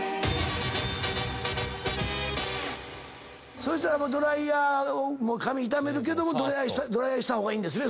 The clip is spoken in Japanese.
そしたらもうドライヤーを髪傷めるけどもドライヤーした方がいいんですね。